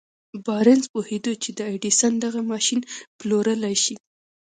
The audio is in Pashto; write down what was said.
بارنس پوهېده چې د ايډېسن دغه ماشين پلورلای شي.